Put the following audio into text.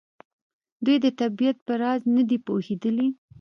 دوی د طبیعت په راز نه دي پوهېدلي.